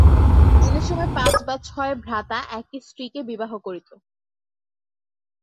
অনেক সময় পাঁচ বা ছয় ভ্রাতা একই স্ত্রীকে বিবাহ করিত।